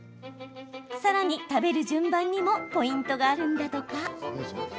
さらに、食べる順番にもポイントがあるんだとか。